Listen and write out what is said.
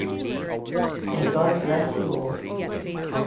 May God bless you all.